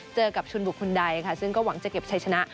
เจอกับชุนบุคคลใดค่ะซึ่งก็หวังจะเก็บชัยชนะ